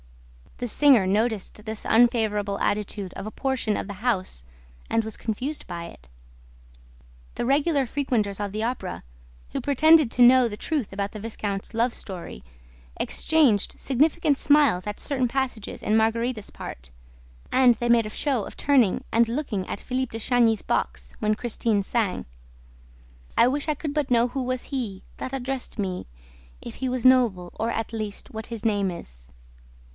The singer noticed this unfavorable attitude of a portion of the house and was confused by it. The regular frequenters of the Opera, who pretended to know the truth about the viscount's love story, exchanged significant smiles at certain passages in Margarita's part; and they made a show of turning and looking at Philippe de Chagny's box when Christine sang: "I wish I could but know who was he That addressed me, If he was noble, or, at least, what his name is."